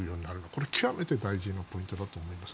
これは極めて大事なポイントだと思います。